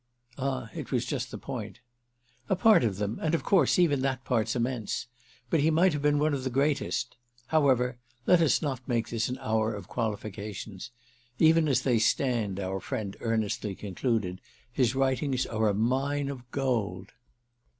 Ah it was just the point. "A part of them, and of course even that part's immense. But he might have been one of the greatest. However, let us not make this an hour of qualifications. Even as they stand," our friend earnestly concluded, "his writings are a mine of gold."